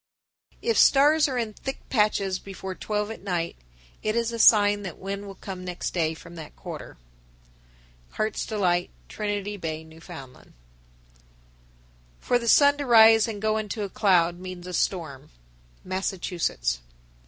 If stars are in thick patches before twelve at night, it is a sign that wind will come next day from that quarter. Hearts Delight, Trinity Bay, N.F. 1074. For the sun to rise and go into a cloud means a storm. _Massachusetts.